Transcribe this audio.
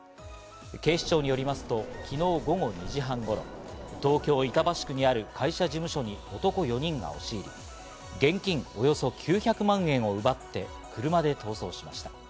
警視庁によりますと昨日午後２時半頃、東京・板橋区にある会社事務所に男４人が押し入り、現金およそ９００万円を奪って車で逃走しました。